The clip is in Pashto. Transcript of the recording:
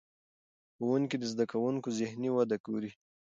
ښوونکي د زده کوونکو ذهني وده ګوري.